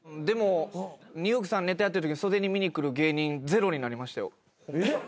でもニューヨークさんネタやってるとき袖に見に来る芸人ゼロになりましたよ。